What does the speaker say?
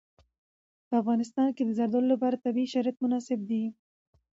په افغانستان کې د زردالو لپاره طبیعي شرایط مناسب دي.